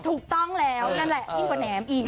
ถูกต้องแล้วนั่นแหละยิ่งกว่าแหนมอีก